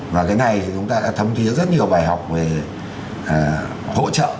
và cái này thì chúng ta đã thấm thiết rất nhiều bài học về hỗ trợ